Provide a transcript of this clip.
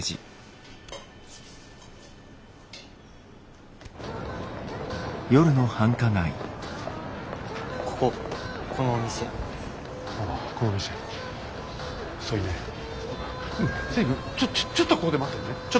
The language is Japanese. ちょっとここで待ってて。